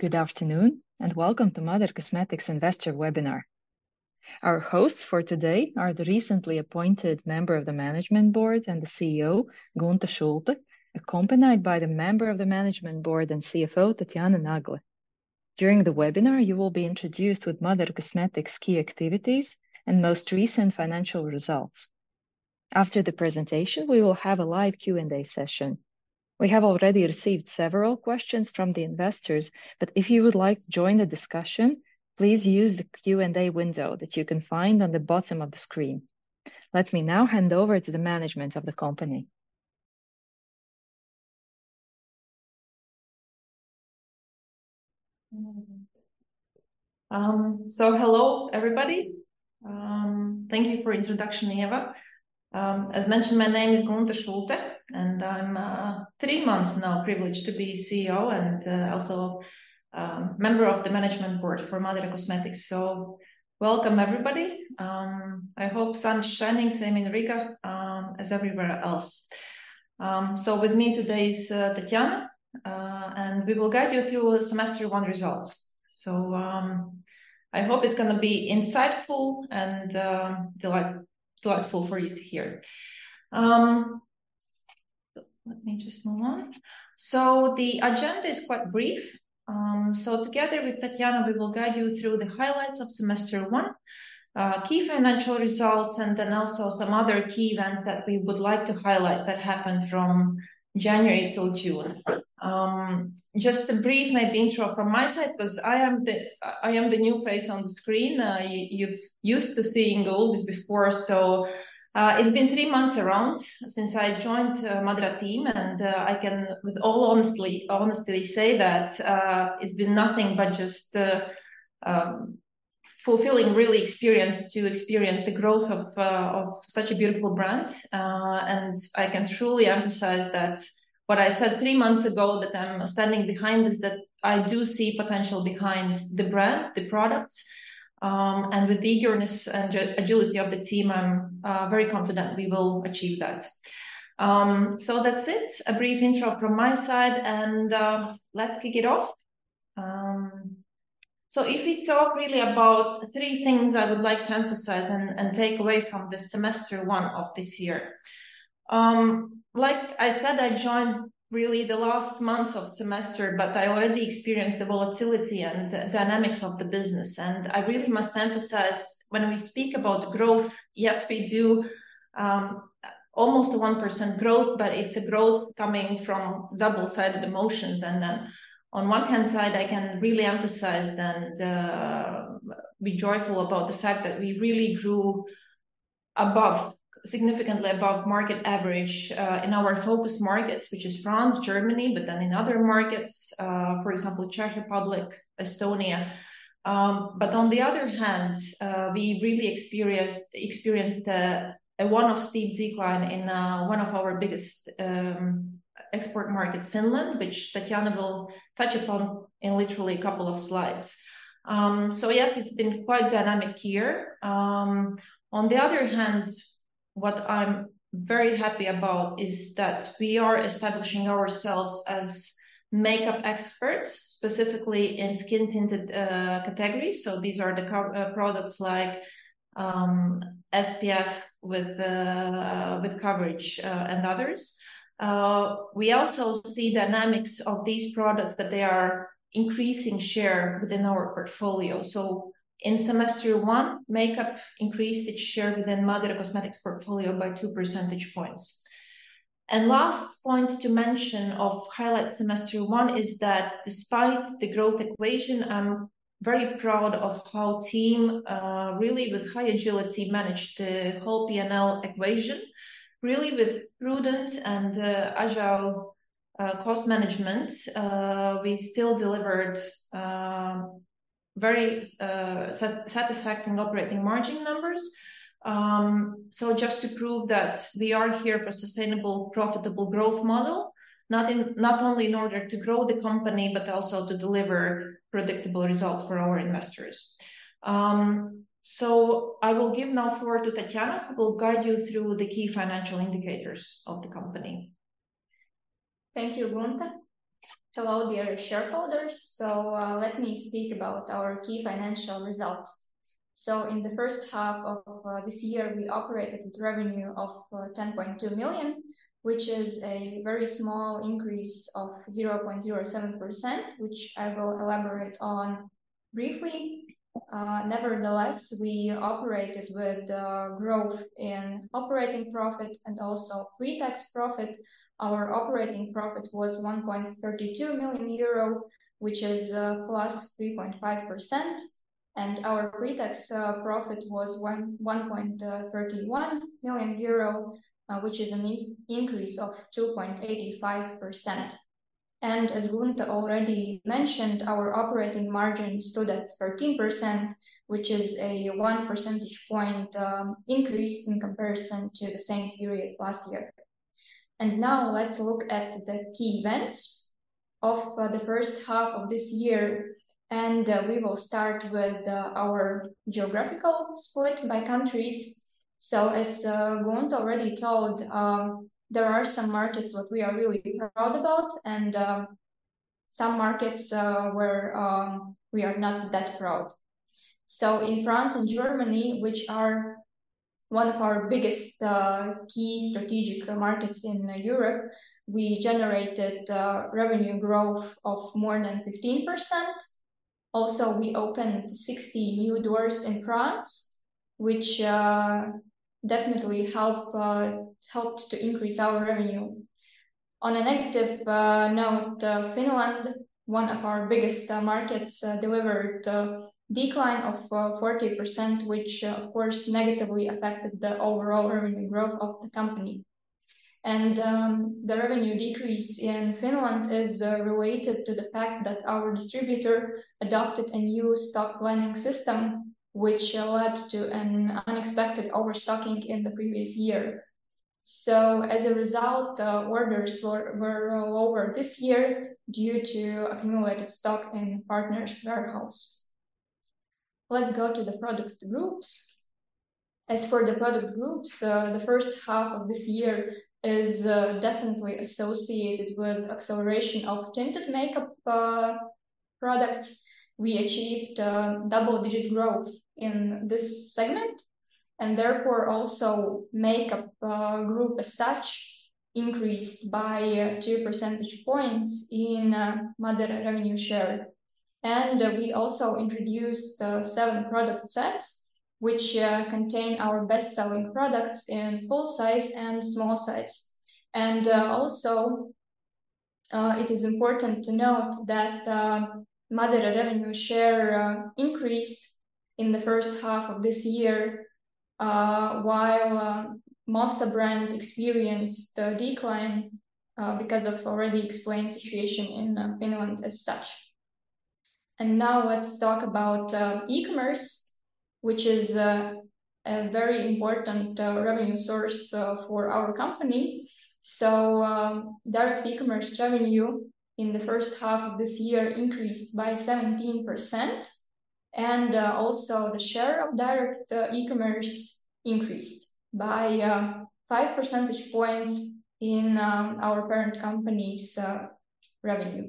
Good afternoon, and welcome to MADARA Cosmetics investor webinar. Our hosts for today are the recently appointed member of the management board and the CEO, Gunta Šulte, accompanied by the member of the management board and CFO, Tatjana Nagle. During the webinar, you will be introduced with MADARA Cosmetics' key activities and most recent financial results. After the presentation, we will have a live Q&A session. We have already received several questions from the investors, but if you would like to join the discussion, please use the Q&A window that you can find on the bottom of the screen. Let me now hand over to the management of the company. Hello, everybody. Thank you for introduction, Ieva. As mentioned, my name is Gunta Šulte, and I'm three months now privileged to be CEO and also member of the management board for MADARA Cosmetics. Welcome, everybody. I hope sun is shining same in Riga, as everywhere else. With me today is Tatjana, and we will guide you through semester one results. I hope it's going to be insightful and delightful for you to hear. Let me just move on. The agenda is quite brief. Together with Tatjana, we will guide you through the highlights of semester one, key financial results, and then also some other key events that we would like to highlight that happened from January till June. Just a brief maybe intro from my side because I am the new face on the screen. You're used to seeing Uldis before. It's been three months around since I joined MADARA team, and I can with all honesty say that it's been nothing but just fulfilling, really, experience to experience the growth of such a beautiful brand. I can truly emphasize that what I said three months ago, that I'm standing behind this, that I do see potential behind the brand, the products. And with the eagerness and agility of the team, I'm very confident we will achieve that. That's it, a brief intro from my side, and let's kick it off. If we talk really about three things I would like to emphasize and take away from this semester one of this year. Like I said, I joined really the last month of semester, but I already experienced the volatility and the dynamics of the business. I really must emphasize when we speak about growth, yes, we do almost a 1% growth, but it's a growth coming from double-sided emotions. On one hand side, I can really emphasize and be joyful about the fact that we really grew significantly above market average, in our focus markets, which is France, Germany, but then in other markets, for example, Czech Republic, Estonia. On the other hand, we really experienced a one-off steep decline in one of our biggest export markets, Finland, which Tatjana will touch upon in literally a couple of slides. Yes, it's been quite dynamic year. On the other hand, what I'm very happy about is that we are establishing ourselves as makeup experts, specifically in skin-tinted categories. So these are the products like SPF with coverage, and others. We also see dynamics of these products, that they are increasing share within our portfolio. In semester one, makeup increased its share within MADARA Cosmetics portfolio by two percentage points. Last point to mention of highlight semester one is that despite the growth equation, I'm very proud of how team, really with high agility, managed the whole P&L equation. Really with prudent and agile cost management, we still delivered very satisfying operating margin numbers. Just to prove that we are here for sustainable, profitable growth model, not only in order to grow the company, but also to deliver predictable results for our investors. I will give now floor to Tatjana, who will guide you through the key financial indicators of the company. Thank you, Gunta. Hello, dear shareholders. Let me speak about our key financial results. In the first half of this year, we operated with revenue of 10.2 million, which is a very small increase of 0.07%, which I will elaborate on briefly. Nevertheless, we operated with growth in operating profit and also pre-tax profit. Our operating profit was 1.32 million euro, which is +3.5%, and our pre-tax profit was 1.31 million euro, which is an increase of 2.85%. As Gunta already mentioned, our operating margin stood at 13%, which is a one percentage point increase in comparison to the same period last year. Now let's look at the key events of the first half of this year, and we will start with our geographical split by countries. As Gunta already told, there are some markets that we are really proud about and some markets where we are not that proud. In France and Germany, which are one of our biggest key strategic markets in Europe, we generated revenue growth of more than 15%. Also, we opened 60 new doors in France, which definitely helped to increase our revenue. On a negative note, Finland, one of our biggest markets, delivered a decline of 40%, which, of course, negatively affected the overall revenue growth of the company. The revenue decrease in Finland is related to the fact that our distributor adopted a new stock planning system, which led to an unexpected overstocking in the previous year. As a result, the orders were lower this year due to accumulated stock in partner's warehouse. Let's go to the product groups. As for the product groups, the first half of this year is definitely associated with acceleration of tinted makeup products. We achieved double-digit growth in this segment, therefore, also makeup group as such increased by two percentage points in MADARA revenue share. We also introduced seven product sets, which contain our best-selling products in full size and small size. It is important to note that MADARA revenue share increased in the first half of this year, while Mossa brand experienced a decline because of already explained situation in Finland as such. Now let's talk about e-commerce, which is a very important revenue source for our company. Direct e-commerce revenue in the first half of this year increased by 17%, and also the share of direct e-commerce increased by five percentage points in our parent company's revenue.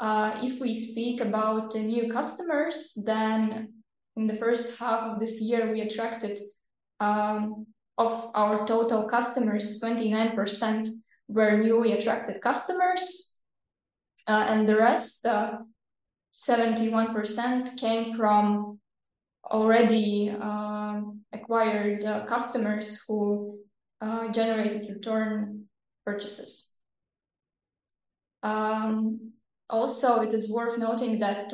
If we speak about new customers, in the first half of this year, of our total customers, 29% were newly attracted customers. The rest, 71%, came from already acquired customers who generated return purchases. Also, it is worth noting that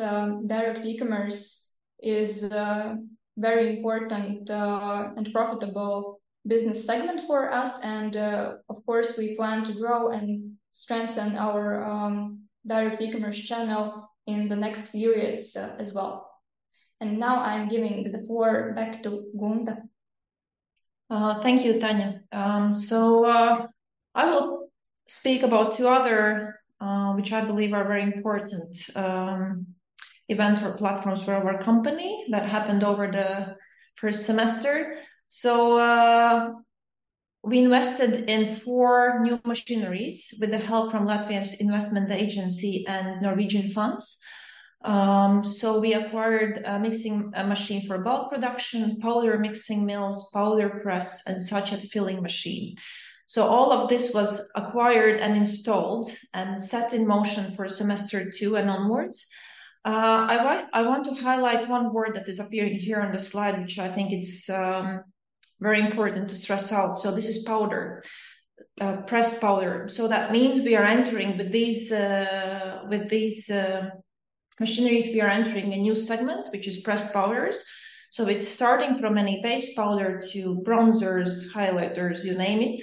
direct e-commerce is a very important and profitable business segment for us. Of course, we plan to grow and strengthen our direct e-commerce channel in the next periods as well. Now I am giving the floor back to Gunta. Thank you, Tanya. I will speak about two other, which I believe are very important events or platforms for our company that happened over the first semester. We invested in four new machineries with the help from Latvia's Investment Agency and Norwegian funds. We acquired a mixing machine for bulk production, powder mixing mills, powder press, and sachet filling machine. All of this was acquired and installed and set in motion for semester 2 and onwards. I want to highlight one word that is appearing here on the slide, which I think is very important to stress out. This is powder, pressed powder. That means with these machineries, we are entering a new segment, which is pressed powders. It's starting from any base powder to bronzers, highlighters, you name it,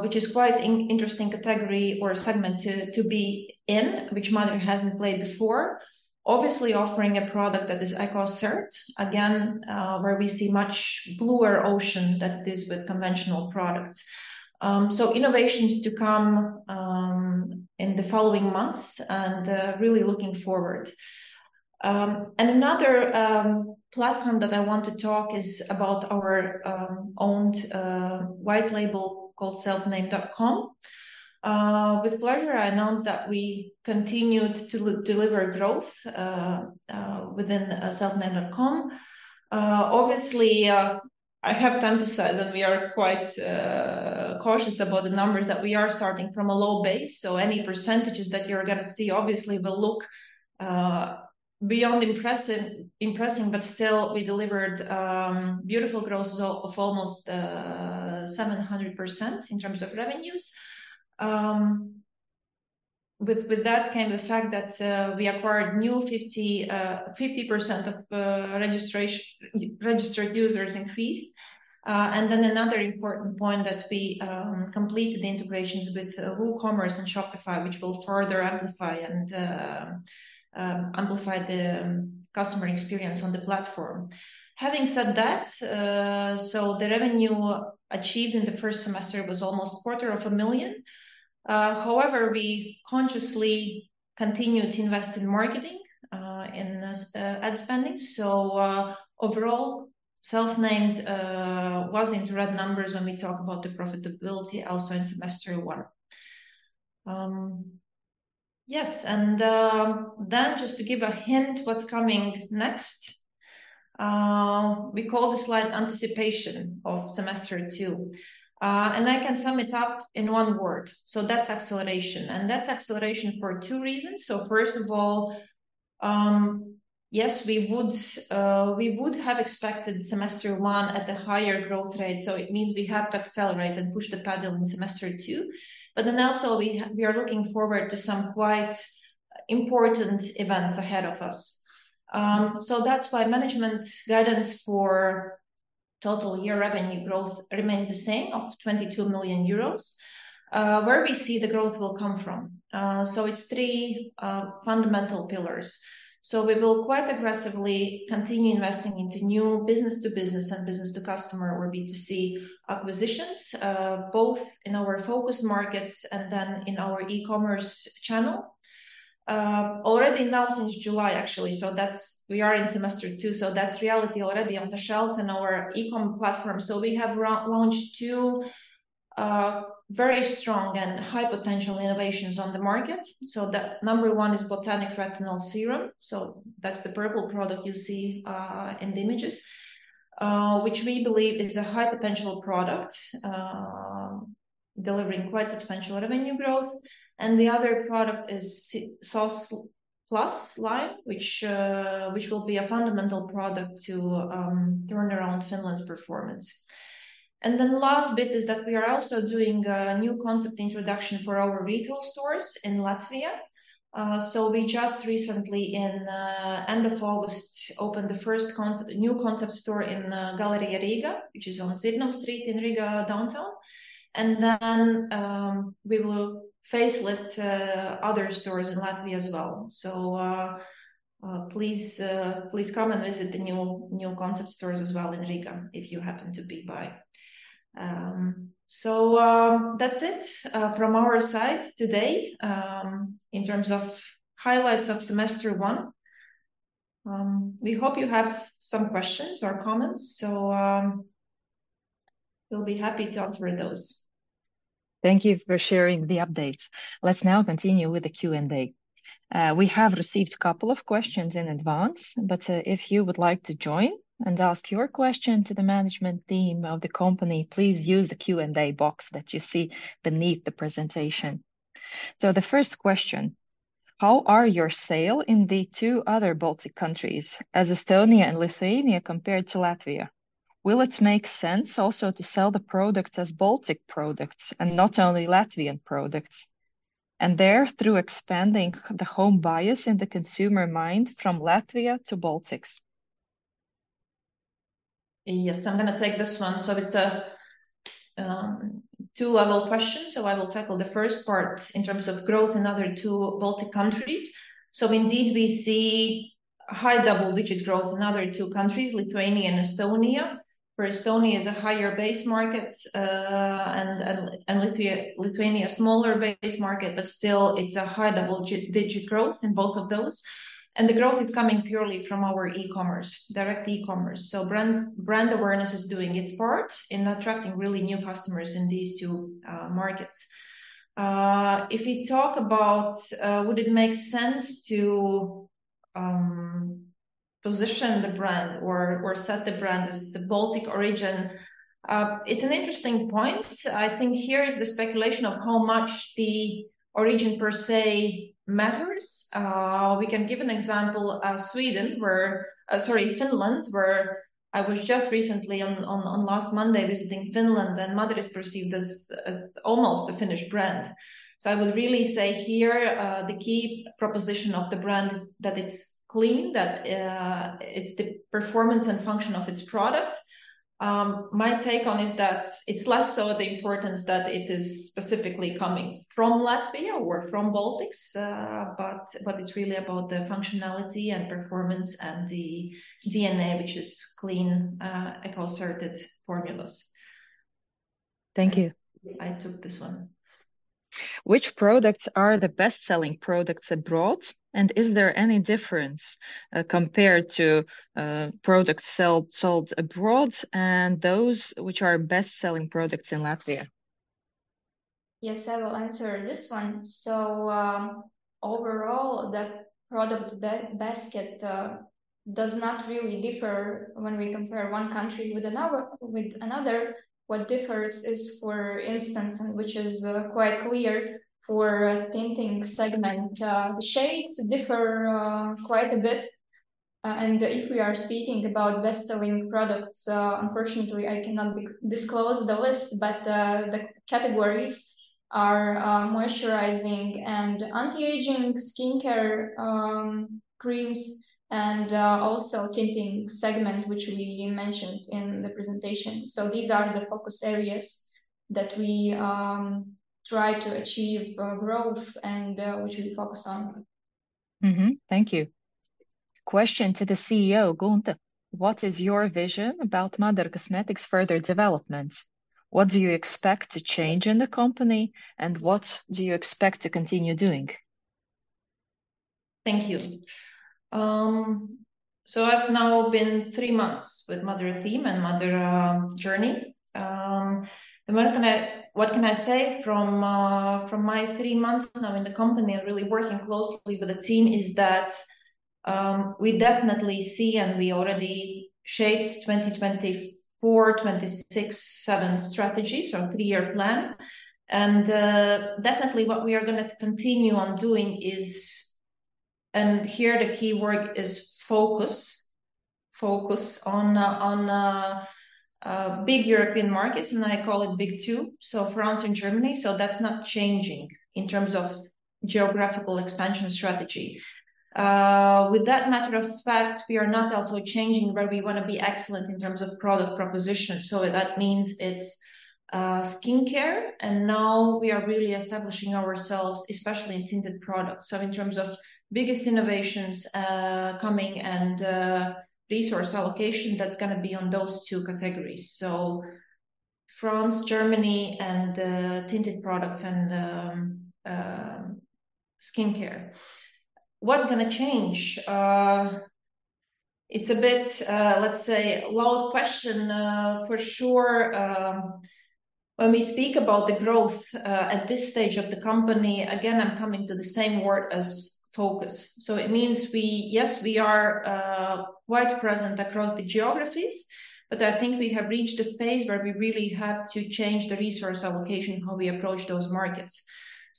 which is quite interesting category or segment to be in, which MADARA hasn't played before. Obviously, offering a product that is EcoCert, again, where we see much bluer ocean than it is with conventional products. Innovations to come in the following months, and really looking forward. Another platform that I want to talk is about our owned white label called selfnamed.com. With pleasure, I announce that we continued to deliver growth within selfnamed.com. Obviously, I have to emphasize, and we are quite cautious about the numbers, that we are starting from a low base. Any percentages that you're going to see obviously will look beyond impressing, but still, we delivered beautiful growth of almost 700% in terms of revenues. With that came the fact that we acquired new 50% of registered users increase. Another important point that we completed integrations with WooCommerce and Shopify, which will further amplify the customer experience on the platform. Having said that, the revenue achieved in the first semester was almost quarter of a million EUR. However, we consciously continued to invest in marketing in ad spending. Overall, Selfnamed was in red numbers when we talk about the profitability also in semester 1. Yes, just to give a hint what's coming next, we call the slide anticipation of semester 2. I can sum it up in one word, that's acceleration, and that's acceleration for two reasons. First of all, yes, we would have expected semester 1 at the higher growth rate, it means we have to accelerate and push the pedal in semester 2. Also we are looking forward to some quite important events ahead of us. That's why management guidance for total year revenue growth remains the same of 22 million euros. We see the growth will come from. It's three fundamental pillars. We will quite aggressively continue investing into new B2B and B2C acquisitions, both in our focus markets and then in our e-commerce channel. Since July, we are in semester two. That's reality already on the shelves in our e-com platform. We have launched two very strong and high-potential innovations on the market. The number one is Botanic Retinol Serum. That's the purple product you see in the images, which we believe is a high-potential product delivering quite substantial revenue growth. The other product is SOS+ line, which will be a fundamental product to turn around Finland's performance. The last bit is that we are also doing a new concept introduction for our retail stores in Latvia. We just recently, in end of August, opened the first new concept store in Galleria Riga, which is on Dzirnavu Street in Riga downtown. We will facelift other stores in Latvia as well. Please come and visit the new concept stores as well in Riga if you happen to be by. That's it from our side today in terms of highlights of semester one. We hope you have some questions or comments. We'll be happy to answer those. Thank you for sharing the updates. Let's now continue with the Q&A. We have received couple of questions in advance, but if you would like to join and ask your question to the management team of the company, please use the Q&A box that you see beneath the presentation. The first question, how are your sales in the two other Baltic countries, Estonia and Lithuania, compared to Latvia? Will it make sense also to sell the product as Baltic products and not only Latvian products? There through expanding the home bias in the consumer mind from Latvia to Baltics. Yes, I'm going to take this one. It's a two-level question. I will tackle the first part in terms of growth in other two Baltic countries. Indeed we see high double-digit growth in other two countries, Lithuania and Estonia, where Estonia is a higher base market, and Lithuania smaller base market, but still it's a high double-digit growth in both of those. The growth is coming purely from our e-commerce, direct e-commerce. Brand awareness is doing its part in attracting really new customers in these two markets. If you talk about would it make sense to position the brand or set the brand as a Baltic origin, it's an interesting point. I think here is the speculation of how much the origin per se matters. We can give an example of Sweden, sorry, Finland, where I was just recently on last Monday visiting Finland, and MADARA is perceived as almost a Finnish brand. I would really say here, the key proposition of the brand is that it's clean, that it's the performance and function of its product. My take on is that it's less so the importance that it is specifically coming from Latvia or from the Baltics, but it's really about the functionality and performance and the DNA, which is clean, eco-certified formulas. Thank you. I took this one. Which products are the best-selling products abroad, and is there any difference compared to products sold abroad and those which are best-selling products in Latvia? Yes, I will answer this one. Overall, the product basket does not really differ when we compare one country with another. What differs is, for instance, and which is quite clear for tinting segment, the shades differ quite a bit. If we are speaking about best-selling products, unfortunately, I cannot disclose the list, but the categories are moisturizing and anti-aging skincare creams, and also tinting segment, which we mentioned in the presentation. These are the focus areas that we try to achieve growth and which we focus on. Thank you. Question to the CEO, Gunta. What is your vision about MADARA Cosmetics' further development? What do you expect to change in the company, and what do you expect to continue doing? Thank you. I've now been three months with MADARA team and MADARA journey. What can I say from my three months now in the company and really working closely with the team is that we definitely see, and we already shaped 2024, 2026, 2027 strategy, so three-year plan. Definitely what we are going to continue on doing is, and here the key word is focus. Focus on big European markets, and I call it big two, so France and Germany. That's not changing in terms of geographical expansion strategy. With that matter of fact, we are not also changing where we want to be excellent in terms of product proposition. That means it's skincare, and now we are really establishing ourselves, especially in tinted products. In terms of biggest innovations coming and resource allocation, that's going to be on those 2 categories. France, Germany, and tinted products, and skincare. What's going to change? It's a bit, let's say, loud question. For sure, when we speak about the growth at this stage of the company, again, I'm coming to the same word as focus. It means, yes, we are quite present across the geographies, but I think we have reached a phase where we really have to change the resource allocation, how we approach those markets.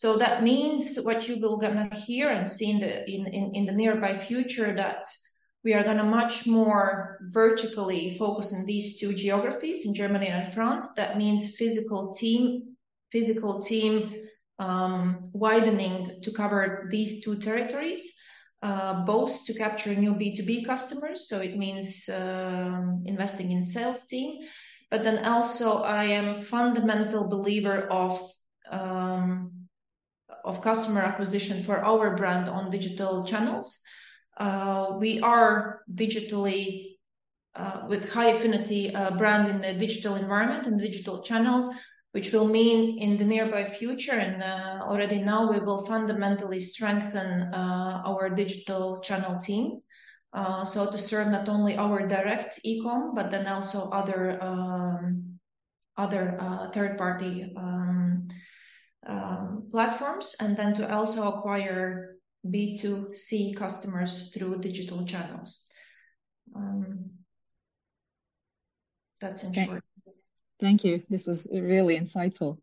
That means what you will going to hear and see in the nearby future, that we are going to much more vertically focus on these 2 geographies, in Germany and France. That means physical team widening to cover these 2 territories, both to capture new B2B customers. It means investing in sales team. Also, I am fundamental believer of customer acquisition for our brand on digital channels. We are digitally with high affinity brand in the digital environment and digital channels, which will mean in the nearby future and already now, we will fundamentally strengthen our digital channel team. To serve not only our direct eCom, but also other third-party platforms, and to also acquire B2C customers through digital channels. That's in short. Thank you. This was really insightful.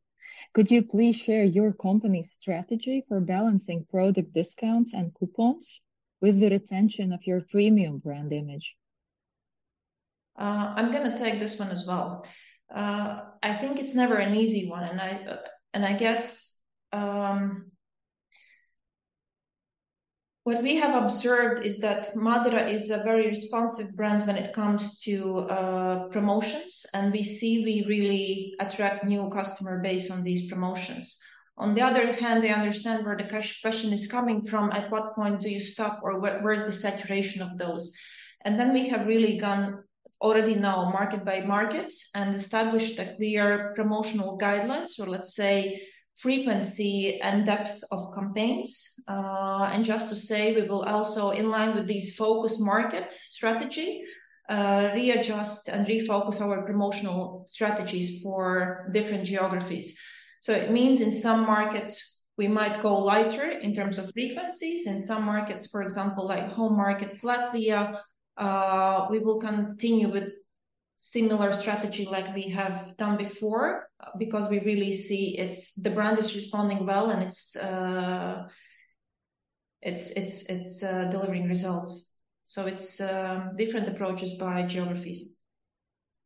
Could you please share your company's strategy for balancing product discounts and coupons with the retention of your premium brand image? I'm going to take this one as well. I think it's never an easy one, and I guess what we have observed is that MADARA is a very responsive brand when it comes to promotions, and we see we really attract new customer base on these promotions. On the other hand, I understand where the question is coming from. At what point do you stop, or where is the saturation of those? We have really gone already now market by market and established a clear promotional guidelines, or let's say, frequency and depth of campaigns. Just to say, we will also, in line with these focus markets strategy, readjust and refocus our promotional strategies for different geographies. It means in some markets, we might go lighter in terms of frequencies. In some markets, for example, like home markets, Latvia, we will continue with similar strategy like we have done before because we really see the brand is responding well, and it's delivering results. It's different approaches by geographies.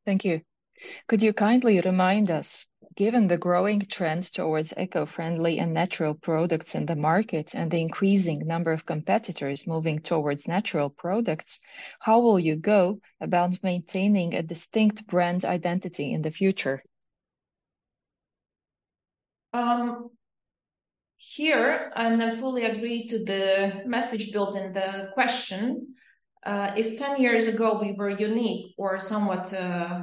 Thank you. Could you kindly remind us, given the growing trends towards eco-friendly and natural products in the market and the increasing number of competitors moving towards natural products, how will you go about maintaining a distinct brand identity in the future? Here, I fully agree to the message built in the question. If 10 years ago we were unique or somewhat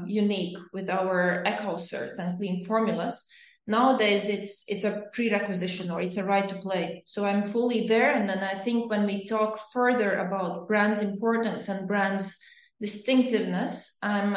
unique with our EcoCert and clean formulas, nowadays it's a prerequisite, or it's a right to play. I'm fully there. I think when we talk further about brand's importance and brand's distinctiveness, I'm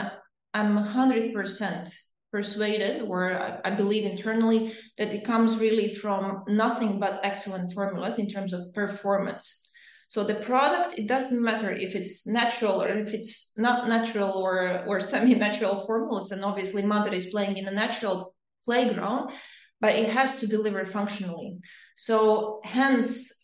100% persuaded, or I believe internally, that it comes really from nothing but excellent formulas in terms of performance. The product, it doesn't matter if it's natural or if it's not natural or semi-natural formulas, and obviously MADARA is playing in a natural playground, but it has to deliver functionally.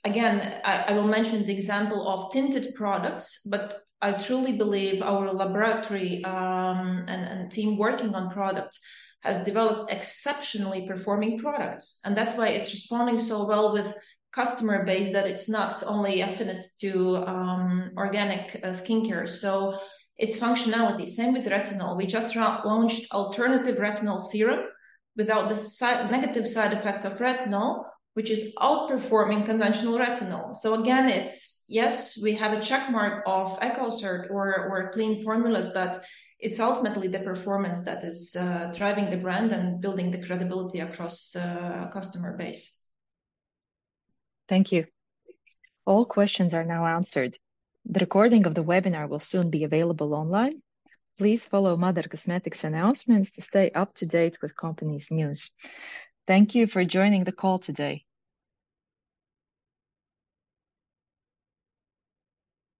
Again, I will mention the example of tinted products, but I truly believe our laboratory and team working on products has developed exceptionally performing products, and that's why it's responding so well with customer base, that it's not only affinity to organic skincare. It's functionality. Same with retinol. We just launched alternative retinol serum without the negative side effects of retinol, which is outperforming conventional retinol. Again, yes, we have a check mark of EcoCert or clean formulas, but it's ultimately the performance that is driving the brand and building the credibility across customer base. Thank you. All questions are now answered. The recording of the webinar will soon be available online. Please follow MADARA Cosmetics announcements to stay up to date with company's news. Thank you for joining the call today.